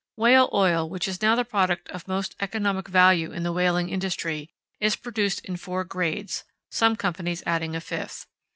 Whale oil, which is now the product of most economic value in the whaling industry, is produced in four grades (some companies adding a fifth).